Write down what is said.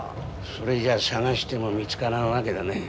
それじゃ探しても見つからんわけだね。